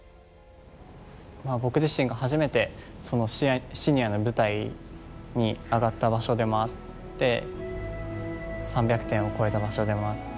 まあ僕自身が初めてシニアの舞台に上がった場所でもあって３００点を超えた場所でもあって。